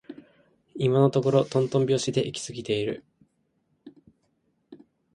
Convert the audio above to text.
今のところとんとん拍子で行き過ぎている